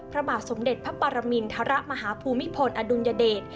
พระบาทสมเด็จพระปรมินทรมาฮภูมิพลอดุลยเดช